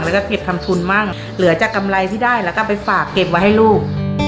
แล้วก็เก็บทำทุนมั่งเหลือจากกำไรที่ได้แล้วก็ไปฝากเก็บไว้ให้ลูก